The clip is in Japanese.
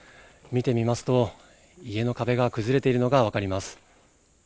見てみますと、家の壁が崩れているのが分かります。